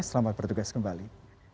selamat bertugas kembali